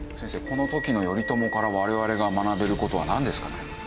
この時の頼朝から我々が学べる事はなんですかね？